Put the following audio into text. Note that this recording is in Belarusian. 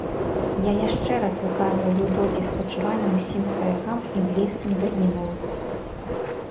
Я яшчэ раз выказваю глыбокія спачуванні ўсім сваякам і блізкім загінулым.